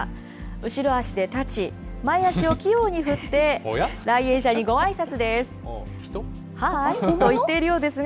後ろ足で立ち、前足を器用に振って、来園者にごあいさつです。